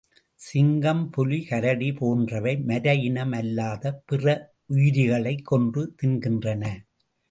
சிங்கம் புலி கரடி போன்றவை, மர இனம் அல்லாத பிற உயிரிகளைக் கொன்று தின்கின்றன.